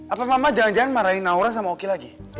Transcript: apa mama jangan jangan marahin naura sama oki lagi